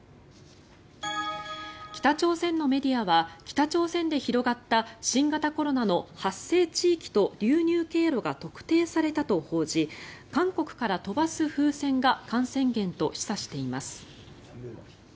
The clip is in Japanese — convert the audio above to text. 北朝鮮のメディアは北朝鮮で広がった新型コロナの発生地域と流入経路が特定されたと報じ韓国から飛ばす風船が感染源と示唆しています。